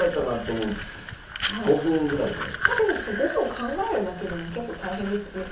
５分考えるだけでも結構大変ですよね。